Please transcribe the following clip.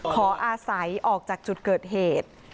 ขออาศัยออกจากจุดเกิดเหตุ